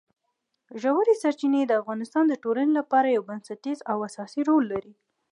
ژورې سرچینې د افغانستان د ټولنې لپاره یو بنسټیز او اساسي رول لري.